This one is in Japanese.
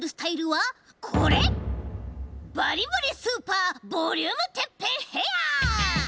バリバリスーパーボリュームてっぺんヘア！